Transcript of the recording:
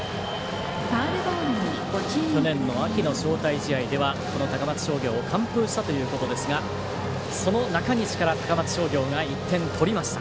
去年の秋の招待試合では高松商業を完封したということですがその中西から高松商業が１点を取りました。